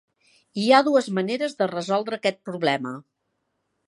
Hi ha dues maneres de resoldre aquest problema.